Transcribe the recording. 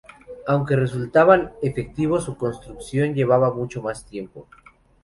Aunque resultaban efectivos, su construcción llevaba mucho más tiempo.